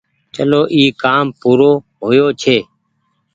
چلو اي ڪآم پورو هو يو ڇي